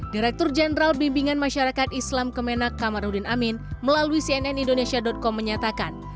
direktur jenderal bimbingan masyarakat islam kemenak kamarudin amin melalui cnn indonesia com menyatakan